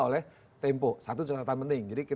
oleh tempo satu cerita yang penting